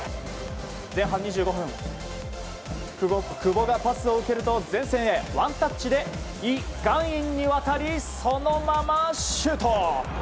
前半２５分久保がパスを受けると前線へワンタッチでイ・ガンインに渡りそのままシュート。